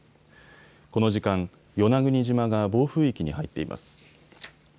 この時間、与那国島が暴風域に入っています。